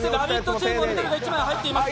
チームも緑が１枚入っています。